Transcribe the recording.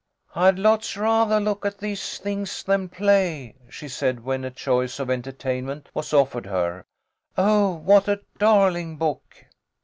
"I'd lots rathah look at these things than play," she said, when a choice of entertainment was offered her. " Oh, what a darling book